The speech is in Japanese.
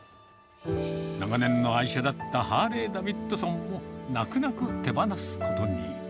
長年の愛車だったハーレーダビッドソンも、泣く泣く手放すことに。